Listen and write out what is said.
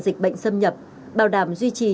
dịch bệnh xâm nhập bảo đảm duy trì